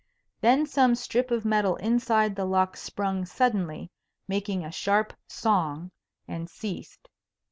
Then some strip of metal inside the lock sprung suddenly, making a sharp song, and ceased.